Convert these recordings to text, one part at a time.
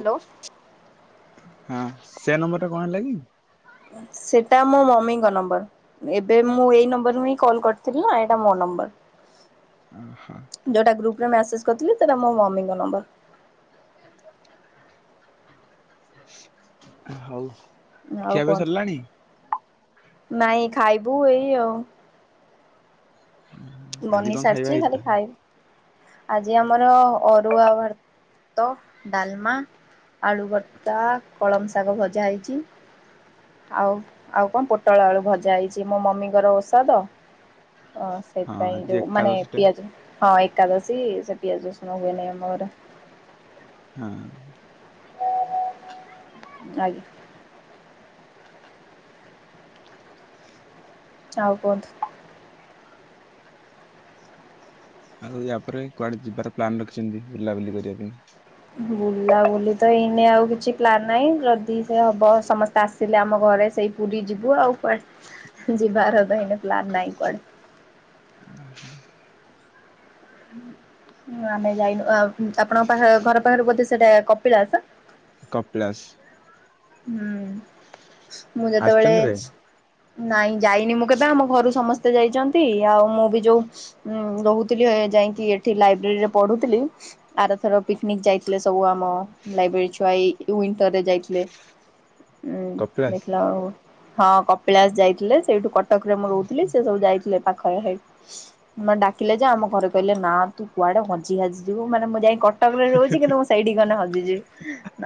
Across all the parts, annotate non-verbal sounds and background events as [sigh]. Hello ହଁ ସେ number ଟା କଣ ହେଲାକି? ସେଟା ମୋ ମମିଙ୍କ ନମ୍ବର। ଏବେ ମୁଁ ଏଇ ନମ୍ବରରୁ ହିଁ କଲ୍ କରିଥିଲି ନା ଏଇଟା ମୋ ନମ୍ବର। ଓହୋ। ଯୋଉଟା ଗ୍ରୁପରେ ମେସେଜ କରିଥିଲେ ସେଟା ମୋ ମମିଙ୍କ ନମ୍ବର। ହଉ। ଆଉ ଖିଆପିଆ କୁହନ୍ତୁ ସରିଲାଣି? ନାଇଁ ଖାଇବୁ ଏଇ ଆଉ ହୁଁ। ବନେଇ ସାରିଛି ଖାଲି ଖାଇବି ଆଜି ଆମର ଅରୁଆ ଭା ଭାତ, ଡାଲମା, ଆଳୁଭତା, କଳମ ଶାଗ ଭଜା ହେଇଛି। ଆଉ ଆଉ କଣ ପୋଟଳ ଆଳୁ ଭଜା ହେଇଛି ମୋ ମମିଙ୍କର ଓଷା ତ। ଅ ହଁ ଆଜି ସେଇଥିପାଇଁ ମାନେ ଏକାଦଶୀ ଟା ପିଆଜ ହଁ ଏକଦଶୀ ସେ ପିଆଜ ରସୁଣ ହୁଏନି ଆମ ଘରେ। ହୁଁ। ଆ [unintelligible] ଆଉ କୁହନ୍ତୁ? ଆଉ ୟା ପରେ କୁଆଡେ ଯିବାର ପ୍ଲାନ ରଖିଛନ୍ତି ବୁଲାବୁଲି କରିବା ପାଇଁ? ବୁଲା ବୁଲି ତ ଏଇନେ ଆଉ କିଛି ପ୍ଲାନ୍ ନାଇଁ ଯଦି ସେ ହବ ସମସ୍ତେ ଆସ୍ ସିଲେ ଆମ ଘରେ ସେଇ ପୁରୀ ଯିବୁ ଆଉ କୁଆଡ଼େ ଯିବାର ତ ଏଇନେ ପ୍ଲାନ ନାଇଁ କୁଆଡ଼େ। ହୁଁ ହୁଁ। ଆମେ ଯାଇନୁ ଆପଣଙ୍କ ପାଖ ଘର ପାଖରେ ବୋଧେ ସେଟା କପିଳାସ? କପଳାସ୍। ହୁଁ ମୁଁ ଯେତେବେଳେ ଆସିଛନ୍ତି କେବେ ନାଇଁ ଯାଇନି ମୁଁ କେବେ ଆମ ଘରୁ ସମସ୍ତେ ଯାଇଛନ୍ତି ଆଉ ମୁଁ ବି ଯୋଉ ଉଁ ରହୁଥିଲି ଯାଇକି ଏଠି ଲାଇବ୍ରେରୀ ରେ ପଢୁଥିଲି। ଆରଥର ପିକ୍ନିକ୍ ଯାଇଥିଲେ ସବୁ ଆମ ଲାଇବ୍ରେରୀ ଛୁଆଇ ୱିଣ୍ଟରରେ ଯାଇଥିଲେ। ଉୁଁ କପିଳାସ ଦେଖିଲା ବେଳକୁ ହଁ କପିଳାସ ଯାଇଥିଲେ ସେଇଠୁ କଟକ ରେ ମୁଁ ରହୁଥିଲି ସେ ସବୁ ଯାଇଥିଲେ ପାଖରେ ହେଇ ମାନେ ଡାକିଲେ ଯେ ଆମ ଘରେ କହିଲେ ନା ତୁ କୁଆଡେ ହଜି ହାଜିଯିବୁ ମାନେ ମୁଁ ଯାଇ କ ଟକରେ ରହୁଛି କିନ୍ତୁ ମୁଁ ସେଇଠି ଗନ ହଜିଯିବି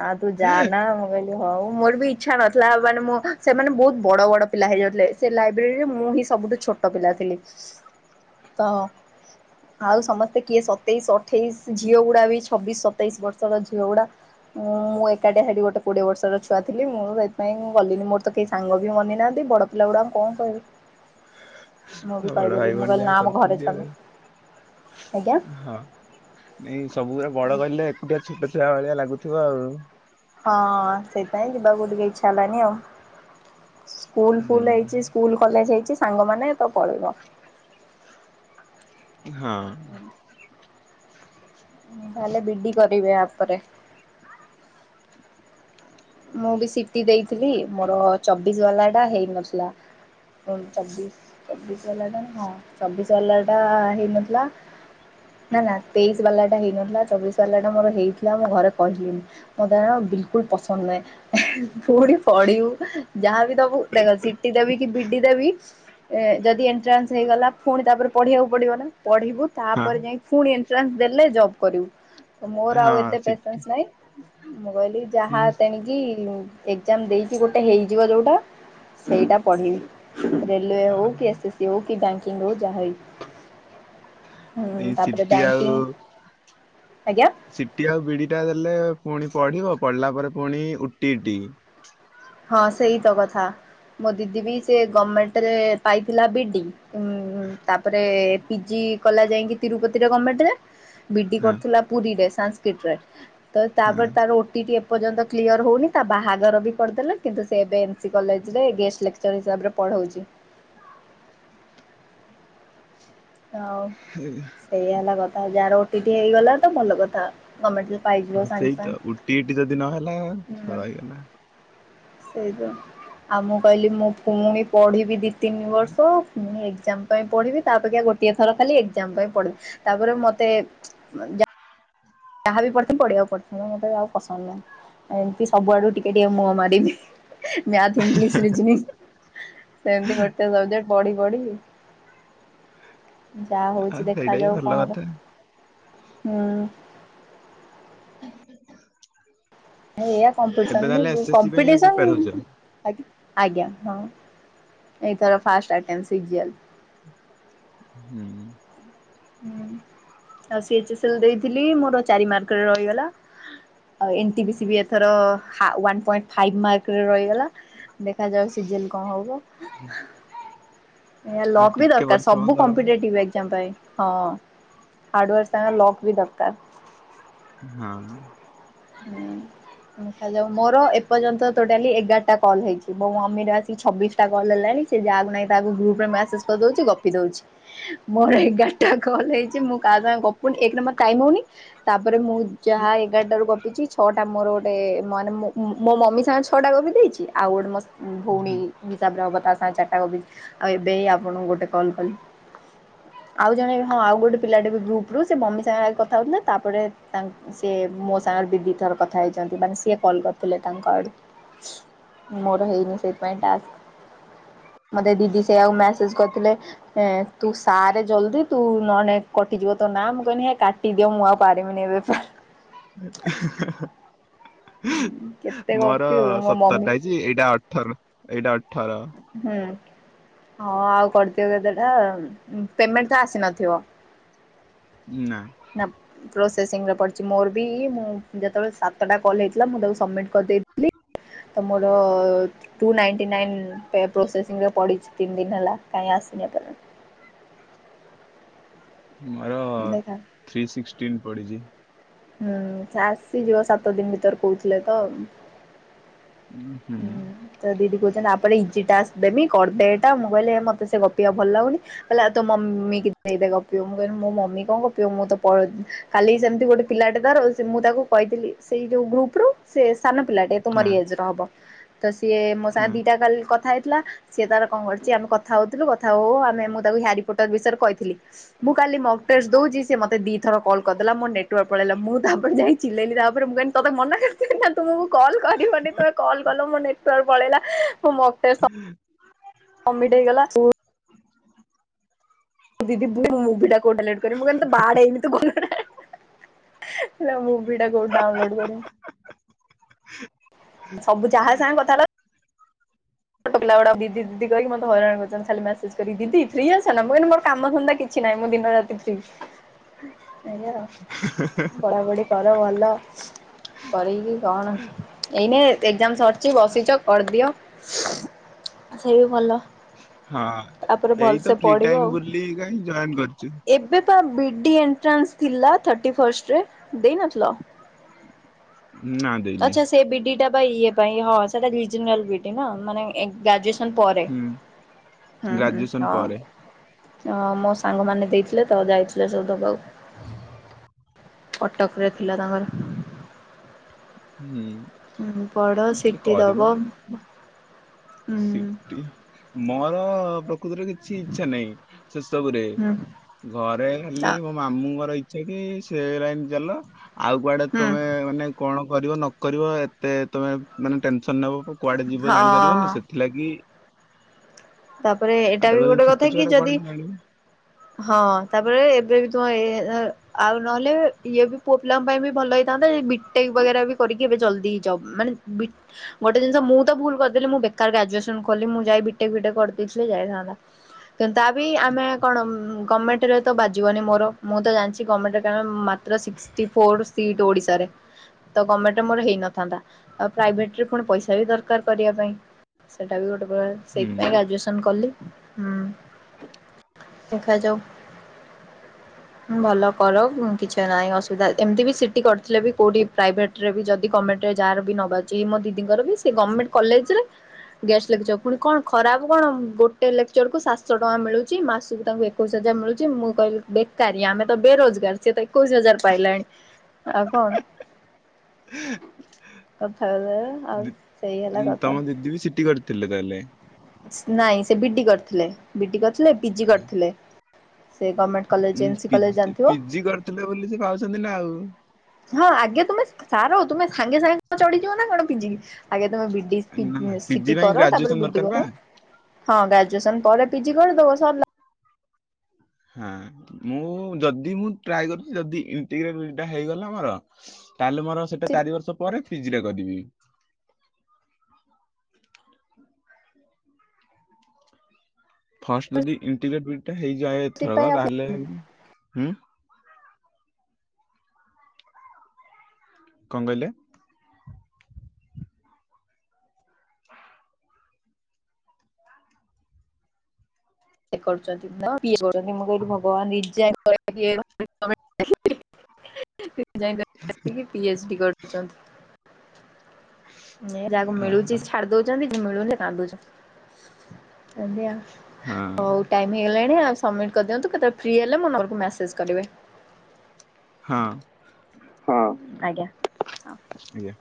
ନା ତୁ ଯା ନା ମୁଁ କହିଲି ହଉ ମୋର ବି ଇଚ୍ଛା ନ ଥିଲା ମାନେ ମୁଁ ସେମାନେ ବହୁତ ବଡ଼ ବଡ଼ ପିଲା ହେଇଯାଉଥିଲେ ସେ ଲାଇବ୍ରେରୀରେ ମୁଁ ହିଁ ସବୁଠୁ ଛୋଟ ପିଲା ଥିଲି ତ ଆଉ ସମସ୍ତେ କିଏ ସତେଇଶ ଅଠେଇଶ ଝିଅ ଗୁଡା ବି ଛବିଶ ସତେଇଶ ବର୍ଷର ଝିଅଗୁଡା। ମୁଁ ଏକାଠିଆ ଗୋଟେ କୋଡିଏ ବର୍ଷର ଛୁଆ ଥିଲ ମୁଁ ସେ ନାଇଁ ମୁଁ ଗଲିନି ମୋର ତ କେହି ସାଙ୍ଗ ବି ବନି ନାହାନ୍ତି ବଡ ପିଲା ଗୁଡା ଆମ କଣ କହିବୁ ମୁଁ ବି ବଡ ଭାଇ କହିଦେଲି ମୁଁ ଭଉଣୀ କହିଲି ନା ଯାହା ଆମ ଘରେ କରୁଛନ୍ତି ଛାଡୁନ ଆଉ ଆଜ୍ଞା ହଁ। ନାଇଁ ସବୁ ଗୁରା ବଡ କଇଲେ ଏକୁଟିଆ ଛୋଟ ଛୁଆ ଭଳିଆ ଲାଗୁଥିବ ଆଉ। ହଁ ସେଇପାଇଁ ଯିବା କୁ ଟିକେ ଇଚ୍ଛା ହେଲାନି ଆଉ। ସ୍କୁଲ ହୁଁ ଫୁଲ ହେଇଛି ସ୍କୁଲ କଲେଜ ହେଇଛି ସାଙ୍ଗମାନେ ତ ପଳେଇବ। ହଁ। ତାହେଲେ ବିଡି କରିବେ ଆପରେ। ମୁଁ ବି ସିଟି ଦେଇଥିଲି। ମୋର ଚବିଶ ବାଲା ଟା ହେଇନଥିଲା। ଚବିଶ ଚବିଶ ବାଲା ଟା ହଁ ଚବିଶ ବାଲା ଟା ହେଇନଥିଲା ନା ନା ତେଇଶ ବାଲାଟା ହେଇନଥିଲା। ଚବିଶ ବାଲାଟା ମୋର ହେଇଥିଲା ମୁଁ ଘରେ କହିଲିନି। ମୋର କାରଣ ବିିଲକୁଲ ପସନ୍ଦ ନାଇଁ। ଫୁଣି ପଡିବୁ ଯାହାବି ଦବୁ ଦେଖ ସିଟି ଦେବି କି ବିଡି ଦେବି ଏ ଯଦି ଏଣ୍ଟ୍ରାନ୍ସ ହେଇଗଲା। ପୁଣି ତାପରେ ପଢ଼ିବାକୁ ପଡ଼ିବ ନା ପଢ଼ିବୁ। ହଁ ତାପରେ ଯାଇ ଫୁଣି ଏଣ୍ଟ୍ରାନ୍ସ ଦେଲେ ଜବ୍ କରିବୁ। ମୋର ଆଉ ହଁ ଏତେ ସିଟି ପେସେନ୍ସ ନାଇଁ। ମୁଁ କହିଲି ଯାହା [unintelligible] ଏଗଜାମ ଦେଇଛିି ଗୋଟେ ହେଇଯିବ ଯୋଉଟା। ସେଇଟା ପଢିବି ରେଲୱେ ହଉ କି ଏସ୍ ଏସ୍ ସି ହଉ କି ବ୍ୟାଙ୍କିଙ୍ଗ ହଉ ଯାହା ବି ଏଇ ସିଟି ଆଉ ବ୍ୟାଙ୍କିଙ୍ଗ ଆଜ୍ଞା। ସିଟି ଆଉ ବିଡ଼ିଟା ଦେଲେ ପୁଣି ପଢିବ ପଢିଲା ପରେ ପୁଣି ଉଟି ଟିି। ହଁ ସେଇ ତ କଥା ମୋ ଦିଦି ବି ସେ ଗଭର୍ମେଣ୍ଟରେ ପାଇଥିଲା ବି ଡି ଉ ତାପରେ ପିଜି କଲା ଯାଇକି ତିରୁପତିରେ ଗଭର୍ଣମେଣ୍ଟରେ ବିଡି ହଁ କରୁଥିଲା ପୁରୀରେ ସାସ୍କ୍ରିଟରେ। ତ ତାପରେ ତା ହଁ ଉଟିଟି ଏପର୍ଯ୍ୟନ୍ତ କ୍ଲିୟର ହଉନି ତା ବାହାଘର ବି କରିଦେଲେ। କିନ୍ତୁ ସେ ଏବେ ଏମ୍ ସି କଲେଜରେ ଗେଷ୍ଟ ଲେକ୍ଚର ହିସାବରେ ପଢ଼ଉଛି। ତ ଆଉ। [unintelligible] ଏଇଆ ହେଲା କଥା ଯାହାର ଉଟିଟି ହେଇଗଲା ତ ଭଲ କଥା ଗମେଣ୍ଟରେ ପାଇ ଯିବ ସାଙ୍ଗ ସାଙ୍ଗ। ଟିଟି ଯଦି ନହେଲା ରହିଗଲା। ସେଇ ତ। ଆଉ ମୁଁ କହିଲି ମୁଁ ପୁଣି ପଢିବି ଦି ତିନି ବର୍ଷ। ପୁଣି ଏଗଜାମ ପାଇଁ ପଢିବି ତା ଅପେକ୍ଷା ଗୋଟେ ଟିଏ ଥର ଖାଲି ଏଗଜାମ ପାଇଁ ପଡିବି। ତାପରେ ମତେ ଯାହା ବି ପଡ଼ିଥିବି ପିଢିବାକୁ ପଡିଥିବ। ମୋତେ ଆଉ ପସନ୍ଦ ନାହିଁ। ଏମିତି ସବୁଆଡୁ ଟିକେ ଟିକେ ମୁହଁ ମାରିବି ମ୍ୟାଥ ଇଂଲିଶ ଜୀମି ସେମିତି ଗୋଟେ ସବଜେଟ୍ ପଢି ପଢି [inaudible] ଯାହା ଆଉ ହଉଛି ସେଇଟା ବି ଦେଖାଯାଉ ଭଲ କଣ ହବ କଥା ହୁଁ। ଏଇଆ ଏବେ କମ୍ପିଟିସନ ତାହେଲେ ବି ଏସ୍ ଏସ୍ ସି ପାଇଁ ପ୍ରିପେୟାର ହଉଛ କମ୍ପିଟିସନ ଆଜ୍ଞା ଆଜ୍ଞା ହଁ ଏଇଥର ଫାଷ୍ଟ [unintelligible] ହୁଁ। ହୁଁ ସିଏଜି ସିଲ ଦେଇଥିଲି ମୋର ଚାରି ମାର୍କରେ ରହିଗଲା। ଆଉ ଏନ୍ଟି ବି ସି ବି ଏଥର ହା ୱାନ୍ ପଏଣ୍ଟ ଫାଇଭ ମାର୍କରେ ରହିଗଲା ଦେଖାଯାଉ ସିଜଲ କଣ ହବ। ଏଇଆ ଆଉ ଲକ୍ ବି ଟିକେ ଦରକାର ପରିଶ୍ରମ ସବୁ କର କମ୍ପିଟେଟିଭ ଏଗଜାମ ପାଇଁ। ହଁ ହାର୍ଡୱାର୍କ ସାଙ୍ଗରେ ଲକ ବି ଦରକାର। ହଁ ହଁ। ହୁଁ। ହାଲୋ ମୋର ଏପର୍ଯ୍ୟନ୍ତ ଟୋଟାଲି ଏଗାରଟା କଲ୍ ହେଇଚି। ମୋ ମମିରେ ଆସିକି ଛବିଶ ଟା କଲ ହେଲାଣି। ସେ ଯାହାକୁ ନାଇଁ ତାକୁ ଗ୍ରୁପ ରେ ମେସେଜ କରିଦଉଚି ଗପି ଦଉଚି। ମୋର ଏଗାର ଟା କଲ ହେଇଚି ମୁଁ କାହା ସାଙ୍ଗେ ଗପୁନି ଏକ୍ରେ ମତେ ଟାଇମ ହଉନି। ତାପରେ ମୁଁ ଯାହା ଏଗାରଟାରୁ ଗପ୍ ଚି ଛଅଟା ମୋର ଗୋଟେ ମାନେ ମୁ ମୋ ମୋ ମମି ସାଙ୍ଗେ ଛଅଟା ଗପି ଦେଇଚି ଆଉ ଗୋଟେ ମୋ ସା ଭଉଣୀ ହିସାବରେ ହେବ ତା ସାଙ୍ଗେ ଚାଟା ଗପିଚି ଆଉ ଏବେ ହି ଆପଣଙ୍କୁ ଗୋଟେ କଲ୍ କଲି। ଆଉ ଜଣେ ହଁ ଆଉ ଗୋଟେ ପିଲାଟେ ବି ଗ୍ରୁପ ରୁ ସେ ମମି ସାଙ୍ଗରେ ଆଜି କଥା ହଉଥିଲା ତାପରେ ତାଙ୍କ ସେ ମୋ ସାଙ୍ଗରେ ଦି ଦି ଥର କଥା ହେଇଚନ୍ତି ମାନେ ସିଏ କଲ୍ କରିଥିଲେ ତାଙ୍କ ଆଡୁ। ମୋର ହେଇନି ସେଇଥିପାଇଁ ଟାସ୍କ। ମତେ ଦିଦି ସେଇଆକୁ ମ୍ୟାସେଜ୍ କରିଥିଲେ। ଏଁ ତୁ ସାରେ ଜଲ୍ଦି ତୁ ନହେଲେ କଟିଯିବ ତୋ ନାଁ ମୁଁ କହିଲି ହେ କାଟ୍ ଟି ଦିଅ ମୁଁ ଆଉ ପାରିବିନି ଏବେ ଫା [inaudible] କେତେ ମୋର ଗପିବୁ ମୋ ସତର୍ଟା ମମି ହେଇଚି ଏଇଟା ଅଠର ଏଇଟା ଅଠର। ହୁଁ ହଁ ଆଉ କର୍ଦିଅ କେତେଟା ପେମେଣ୍ଟ ତ ଆସିନଥିବ? ନାଁ। [unintelligible] ପ୍ରୋସେସିଂରେ ପଡ଼ିଚି ମୋର ବି ମୁଁ ଯେତେବେଳେ ସାତଟା କଲ୍ ହେଇଥିଲା ମୁଁ ତାକୁ ସମ୍ବିଟ୍ କରିଦେଇଥିଲି। ତ ମୋର ଟୁ ନାଇନ୍ଟି ନାଇନ୍ ପେ ପ୍ରୋସେସିଂରେ ପଡିଚି ତିନ୍ ଦିନ୍ ହେଲା କାଇଁ ଆସିନି ଏପର୍ଯ୍ୟନ୍ତ। ମୋର ଦେଖା ଥ୍ରୀ ସିକ୍ସଟିନ୍ ପଡ଼ିଚି। ହୁଁ ସେ ଆସିଯିବ ସାତ ଦିନ ଭିତରେ କହୁଥିଲେ ତ। ହୁଁ। ତ ଦିଦି କହୁଚନ୍ତି ଆପରେ ଇଜି ଟାକ୍ସ ଦେମି କରିଦେ ଏଟା ମୁଁ କହିଲି ମତେ ସେ ଗପିବା ଭଲ ଲାଗୁନି। କଇଲା ଆଉ ତୋ ମମି କି ଦେଇଦେ ଗପିବ ମୁଁ କହିଲି ମୋ ମମି କଣ ଗପିବ ମୁଁ ତ ପଳ କାଲି ସେମିତି ଗୋଟେ ପିଲାଟେ ଧର ମୁଁ ତାକୁ କହିଥିଲି ସେଇ ଯୋଉ ଗ୍ରୁପ୍ ରୁ ସେ ସାନ ପିଲାଟେ। ହଁ ତୁମରି ଏଜ୍ ର ହବ। ତ ସିଏ ମୋ ହଁ ସାଙ୍ଗେ ଦିଟା କାଲ୍ କଥା ହେଇଥିଲା। ସିଏ ତାର କଣ କରିଚି ଆମେ କଥା ହଉଥିଲୁ କଥା ହଉ ହଉ ଆମେ ମୁଁ ତାକୁ ହ୍ୟାରି ପୋଟର୍ ବିଷୟରେ କହିଥିଲି। ମୁଁ କାଲି ମକ୍ଟେର୍ସ ଦଉଚି ସେ ମତେ ଦି ଥର କଲ୍ କର୍ଦେଲା ମୋ ନେଟ୍ୱାର୍କ ପଳେଇଲା ମୁଁ ତା ଉପରେ ଯାଇ ଚିଲେଇଲି ତା ଉପରେ ମୁଁ କହିଲି। ତତେ ମନା କରିଥିଲି ନା ତୁମକୁ କଲ କରିବନି ତମେ କଲ୍ କଲ ମୋ ନେଟ୍ୱାର୍କ ପଳେଇଲା ମୁଁ ମକ୍ଟେସ୍ ସମ୍ବିଟ୍ ହେଇଗଲା ଦିଦି [unintelligible] ଲେଟ କରିବି ମୁଁ କହିଲି ତତେ ବାଡେଇବି ତୁ ଗଲୁ ହେ ହେ ହେଲେ ମୁଭି ଟା କୋଉଠି ଡାଉଁଲୋଡ୍ କରେ। ସବୁ ଯାହା ସାଙ୍ଗେ କଥା ହେଲା ଛୋଟପିଲାଗୁଡାକ ଦିଦି ଦିଦି କହିିକି ମତେ ହଇରାଣ କରିଚନ୍ତି ଖାଲି ମ୍ୟାସେଜ୍ କରିକି ଦିଦି ଫ୍ରି ଅଛ ନା ମୁଁ କହିଲି ମୋର କାମ ଧନ୍ଦା କି ଛି ନାଇଁ ମୁଁ ଦିନ ରାତି ଫ୍ରି। [inaudible] ଆଜ୍ଞା ପଢାପଢି କର ଭଲ କରିକି କଣ ଏଇନେ ଏକ୍ଜାମ୍ ସରିଚି ବସିଚ କରିଦିଅ। ସେ ବି ଭଲ। ହଁ ତାପରେ ଏଇ ତ ଭଲସେ ଫ୍ରି ପଢିବ ଟାଇମ ବୋଲିକା ହିଁ ଜଏନ୍ କରିଚୁ। ତ ବିଡି ଏଣ୍ଟ୍ରାନ୍ସ ଥିଲା ର୍ଥାଟି ଫାଷ୍ଟରେ ଦେଇ ନଥିଲ? ନା ଦେ ଆଚ୍ଛା ସେ ବିଡ଼ି ଟା ଇଏ ପାଇଁ ହଁ ସେଟା ଭିଜି ନାଲ୍ ବିଡ଼ି ମାନେ ଗ୍ରାଜୁଏସନ୍ ନ୍ ପରେ ହୁଁ ହୁଁ ହୁଁ ଗ୍ରାଜୁଏସନ ପରେ ହଁ। ଅଁ ମୋ ସାଙ୍ଗମାନେ ଦେଇଥିଲେ ତ ଯାଇଥିଲେ ସବୁ ଦବାକୁ। କଟକରେ ଥିଲା ତାଙ୍କର ହୁଁ ପଢ ଏ ସିଟି ଦବ କରିମି ହୁଁ। ହୁଁ ସିଟି ମୋର ପ୍ରକୃତରେ କିଛି ଇଚ୍ଛା ନାହିଁ ସେସବୁରେ ହୁଁ ଘରେ ଖାଲି ମୋ ମାମୁଁଙ୍କର ଇଚ୍ଛା କି ସେ ଲାଇନ୍ ଚାଲ ଆଉ କୁଆଡ଼େ ତମେ ମାନେ କଣ କରିବ ନ କରିବ ଏତେ ତମେ ମାନେ ଟେନସନ୍ ନେବା କୁ କୁଆଡ଼େ ଯିବ ହଁ। ଜାଣିପାରିବନି ସେଥି ଲାଗି। ତାପରେ ଏଇଟା ବି ତାର ଗୋଟେ ଛୋଟ କଥା ଛୁଆଟା କି କୁଆଡେ ଯଦି। ନ ଜାଣିବ ହଁ ତାପରେ ଏବେ ବି ତୁମ ଏ ଆଉ ନହେଲେ ଇଏ ବି ପୁଅ ପିଲାଙ୍କ ପାଇଁ ବି ଭଲ ହେଇଥାନ୍ତା ବିଟେକ୍ ବଗେରା ବି କରିକି ଏବେ ଜଲଦି ଯବ୍ ମାନେ ବିଟ୍ ଗୋଟେ ଜିନିଷ ମୁଁ ତ ଭୁଲ କରିଦେଲି ମୁଁ ବେକାର ଗ୍ରାଜୁଏସନ୍ କଲି ମୁଁ ଯାଇ ବିଟେକ୍ ଫିଟେକ୍ କରିଦେଇଥିଲେ ଯାଇଥାନ୍ତା କିନ୍ତୁ ତା ବି ଆମେ କଣ ଗମେଣ୍ଟ୍ ରେ ତ ବାଜିବନି ମୋର ମୁଁ ତ ଜାଣିଚି ଗମେଣ୍ଟ୍ କାରଣ ମାତ୍ର ସିକ୍ସିଟି ଫୋର ସିଟ୍ ଓଡ଼ିଶାରେ। ତ ଗମେଣ୍ଟ୍ ମୋର ହେଇନଥାନ୍ତା ଆଉ ପ୍ରାଇଭେଟ୍ ରେ ପୁଣି ପଇସା ବି ଦରକାର କରିବା ପାଇଁ। ସେଟା ବି ଗୋଟେ ପ୍ରକାର ସେଇ ହୁଁ ଗ୍ରାଜୁଏସନ୍ କଲି ହୁଁ ଦେଖାଯାଉ। [inaudible] ‌ହୁ଼ଁ ଭଲ କର କିଛି ନାହିଁ ଅସୁବିଧା ଏମିତି ବି ସିଟି କରିଥିଲେ ବି କୋଉଠି ପ୍ରାଇଭେଟ୍ ଟ୍ରେ ଯଦି କମେଟେ ଯାହାର ବି ନବାଜି ମୋ ଦିଦିଙ୍କର ବି ସେ ଗମେଣ୍ଟ୍ କଲେଜ ରେ ଗେଷ୍ଟେ ଲେକ୍ଚର୍ ପୁଣି କଣ ଖରାପ କଣ ଗୋଟେ ଲେକ୍ଚରକୁ ସାତଶହ ଟଙ୍କା ମିଳୁଛି ମାସକୁ ତାଙ୍କୁ ଏକୋଇଶି ହଜାର ମିଳୁଚି ମୁଁ କହିଲି ବେକାରୀ ଆମେ ତ ବେରୋଜଗାର ସିଏ ତ ଏକୋଇଶି ହଜାର ପାଇଲାଣି। ଆଉ କଣ କଥା ହେଲେ ଆଉ ସେଇ ହେଲା ଡି଼ଙ୍ଗି କଥା। ତମ ଦିଦି ବି ସିଟି କରି ଥିଲେ ତାହେଲେ ନାଇଁ ସେ ବିଡ଼ି କରିଥିଲେ ବିଡ଼ି କରିଥିଲେ ପିଜି କରିଥିଲେ ସେ ଗମେଣ୍ଟ ଉଁ ପିଜି ପିଜି କରିଥିଲେ ବୋଲି ସେ ପାଉଛନ୍ତି ନା ଆଉ। ହଁ ଆଗେ ତୁମେ ସାର ତୁମେ ସାଙ୍ଗେ ସାଙ୍ଗେ ଚଢି଼ଯିବ ନା କଣ ପିିଜି। ଆଗେ ତମେ ବିଡ଼ି ପି ନା ନା ପିଜି ସିଟି ପାଇଁ କର ତାପରେ ଗ୍ରାଜୁଏସନ ବୁ ଦରକାର ପା ହଁ ଗ୍ରାଜୁଏସନ୍ ପରେ ପିଜି କରିଦବ ସରିଲା ହଁ ମୁଁ ଯଦି ମୁଁ ଟ୍ରାୟେ କରୁଛି ଯଦି ୟୁଟି ରେ ଭିକିଟି ଟା ହେଇଗଲା ମୋର ତାହେଲେ ମୋର ସେଟା ଚାରି ବର୍ଷ ପରେ ଫିଜି ଟା କରିବି। ଫାଷ୍ଟ ଯଦି ଇଣ୍ଟିଭେକ୍ ଭିଟି ହେଇଯାଏ ଏଥରକ ସେଥିପାଇଁ ଆପ୍ଲାଏ ତାହେଲେ ଉଁ କଣ କହିଲେ [inaudible] ବିଟେକ୍ କରୁଛନ୍ତି [unintelligible] ମୁଁ କହିଲି ଭଗବାନ ଏଯାଏ [unintelligible] ଆସିକି ପିଏଚ୍ଡି କରୁଛନ୍ତି ନେହେ ଯାକୁ ଆ ମିଳୁଛି ହା ଛାଡ଼ି ଦଉଛନ୍ତି ଯେ ମିଳୁନି କାନ୍ଦୁଛି ଆଜ୍ଞା ହଁ ହଉ ଟାଇମ୍ ହେଇଗଲାଣି ଆଉ ସମ୍ମିଟି କରିଦିଅନ୍ତୁ କେତବେଳେ ଫ୍ରି ହେଲେ ମୋ ନମ୍ବରକୁ ମ୍ୟାସେଜ୍ କରିବେ। ହଁ ହଁ ଆଜ୍ଞା ଆଜ୍ଞା